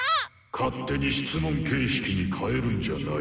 勝手に質問形式に変えるんじゃない。